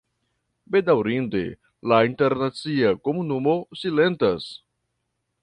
Bedaŭrinde, la internacia komunumo silentas.